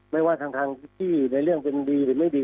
ไม่ว่าทางที่ในเรื่องเป็นดีหรือไม่ดี